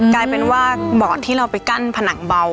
กลายเป็นว่าบอดที่เราไปกั้นผนังเบา